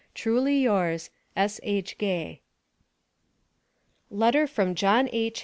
Truly Yours, S.H. GAY. LETTER FROM JOHN H.